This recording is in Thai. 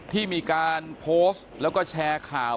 ที่มีการโพสต์แล้วก็แชร์ข่าว